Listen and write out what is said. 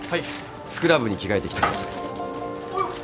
スクラブに着替えてきてください。